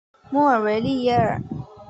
莫尔维利耶尔。